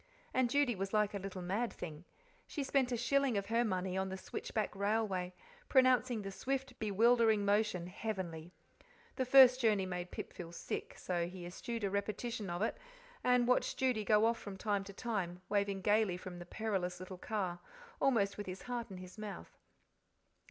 And Judy was like a little mad thing. She spent a shilling of her money on the switchback railway, pronouncing the swift, bewildering motion "heavenly." The first journey made Pip feel sick, so he eschewed a repetition of it, and watched Judy go off from time to time, waving gaily from the perilous little car, almost with his heart in his mouth.